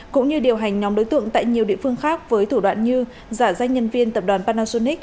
cũng như điều hành nhóm đối tượng tại nhiều địa phương khác với thủ đoạn như giả danh nhân viên tập đoàn panasonic